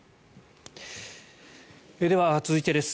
では、続いてです。